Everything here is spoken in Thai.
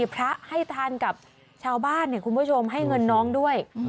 พระให้ทานกับชาวบ้านคุณผู้ชมให้เงินน้องด้วย